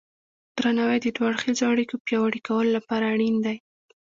درناوی د دوه اړخیزو اړیکو پیاوړي کولو لپاره اړین دی.